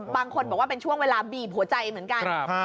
บางคนบอกว่าเป็นช่วงเวลาบีบหัวใจเหมือนกัน